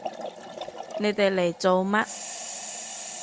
你哋嚟做乜？